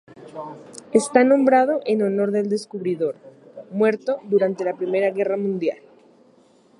Está nombrado en honor del descubridor, muerto durante la Primera Guerra Mundial.